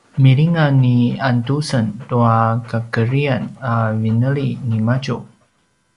“milingan ni Andusen tua kakedrian” a vineli nimadju